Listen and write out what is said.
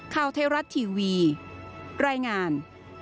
ข้าวเทราสตร์ทีวีรายงาน